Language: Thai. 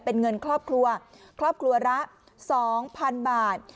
เป็นเงินครอบครัวครอบครัวละ๒๐๐๐บาท